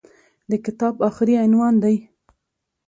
د کتاب اخري عنوان دى.